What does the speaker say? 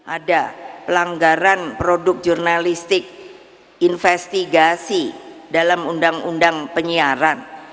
ada pelanggaran produk jurnalistik investigasi dalam undang undang penyiaran